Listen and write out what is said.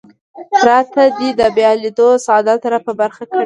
راته دې د بیا لیدو سعادت را په برخه کړي.